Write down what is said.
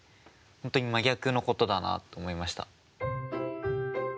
本当に真逆のことだなと思いました。